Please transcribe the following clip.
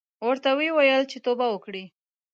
ورته ویې ویل چې توبه وکړې.